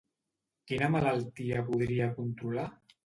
Quina malaltia podria controlar?